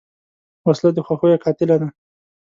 وسله د خوښیو قاتله ده